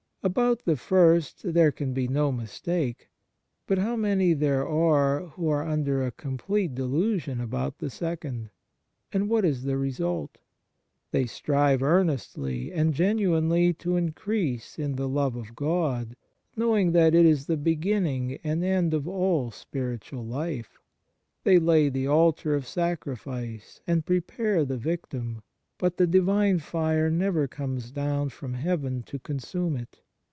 About the first there can be no mistake; but how many there are who are under a complete de lusion about the second ! And what is the result ? They strive earnestly and genuinely to increase in the love of God knowing that it is the beginning and end of all spiritual life ; they lay the altar of sacrifice and prepare the victim, but the Divine fire never comes down from heaven to consume it.